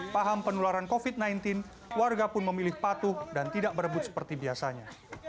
paham penularan covid sembilan belas warga pun memilih patuh dan tidak berebut seperti biasanya